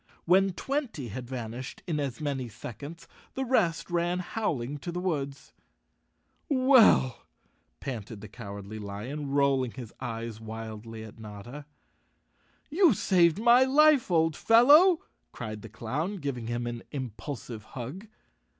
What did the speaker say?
When twenty had van¬ ished in as many seconds, the rest ran howling to the woods. "Well," panted the Cowardly Lion, rolling his eyes wildly at Notta. "You saved my life, old fellow," cried the clown, giving him an impulsive hug.